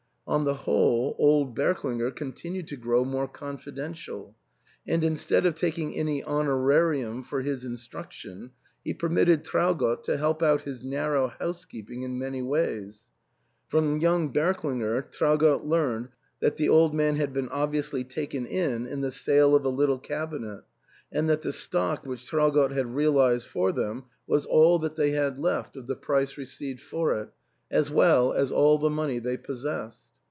On the whole, old Berklinger oontinued to grow more confidential ; and instead of taking any honorarium for his instruction, he per mitted Traugott to help out his narrow house keeping in many ways. From young Berklinger Traugott learned that the old man had been obviously taken in in the sale of a little cabinet, and that the stock which Traugott had realised for them was all that they had ARTHUR'S HALL. 345 left of the price received for it, as well as all the money they possessed.